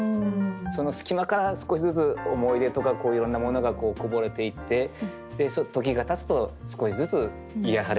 その隙間から少しずつ思い出とかいろんなものがこぼれていってで時がたつと少しずつ癒やされていくというような。